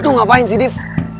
you tuh ngapain sih div